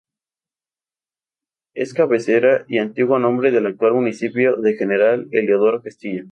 Es cabecera, y antiguo nombre, del actual municipio de General Heliodoro Castillo.